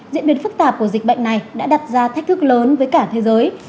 diễn biến phức tạp của dịch bệnh này đã đặt ra thách thức lớn với cả thế giới